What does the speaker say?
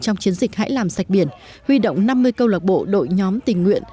trong chiến dịch hãy làm sạch biển huy động năm mươi câu lạc bộ đội nhóm tình nguyện